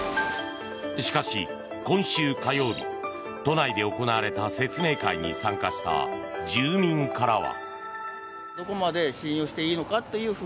しかし、今週火曜日都内で行われた説明会に参加した住民からは。